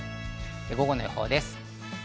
午後の予報です。